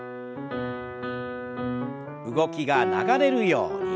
動きが流れるように。